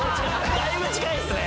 だいぶ近いっすね！